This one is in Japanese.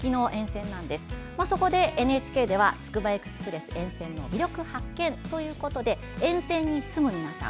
そこで、ＮＨＫではつくばエクスプレス沿線の魅力発見ということで沿線に住む皆さん